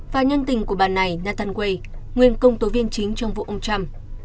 và nhân tình của bà này nathan way nguyên công tố viên chính trong vụ ông trump